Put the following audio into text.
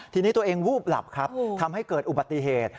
ทีนี้ตัวเองวูบหลับครับทำให้เกิดอุบัติเหตุ